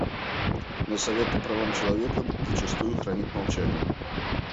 Но Совет по правам человека зачастую хранит молчание.